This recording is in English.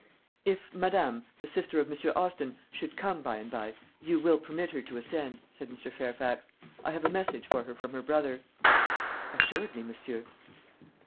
"If madame, the sister of Monsieur Austin, should come by and by, you will permit her to ascend," said Mr. Fairfax. "I have a message for her from her brother." "Assuredly, monsieur."